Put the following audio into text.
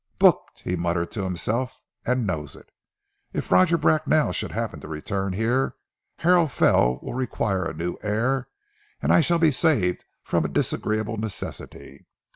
"Booked!" he muttered to himself, "and knows it. If Roger Bracknell should happen to return here, Harrow Fell will require a new heir, and I shall be saved from a disagreeable necessity.